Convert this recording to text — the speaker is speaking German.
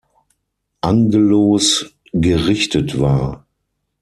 Angelos gerichtet war.